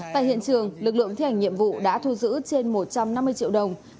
tại hiện trường lực lượng thi hành nhiệm vụ đã thu giữ trên một trăm năm mươi triệu đồng